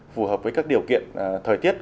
phù hợp với các điều kiện thời tiết